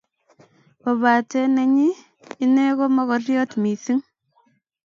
Kopate nenyi, ine ko mokoriot mising